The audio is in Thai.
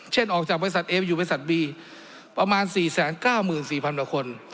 เช่นออกจากบริษัทเออยู่บริษัทบีประมาณสี่แสนเก้าหมื่นสี่พันละคน